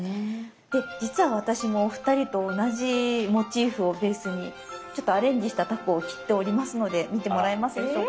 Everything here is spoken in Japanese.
で実は私もお二人と同じモチーフをベースにちょっとアレンジしたタコを切っておりますので見てもらえますでしょうか？